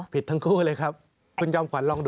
ทั้งคู่เลยครับคุณจอมขวัญลองดู